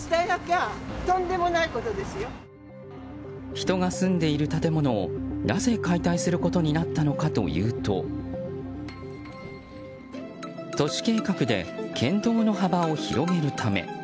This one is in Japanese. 人が住んでいる建物をなぜ解体することになったのかというと都市計画で県道の幅を広げるため。